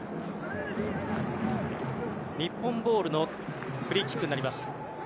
日本ボールのフリーキックになります。